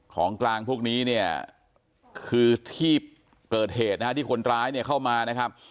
ของกลางพวกนี้เนี่ยคือที่เกิดเหตุนะฮะที่คนร้ายเนี่ยเข้ามานะครับ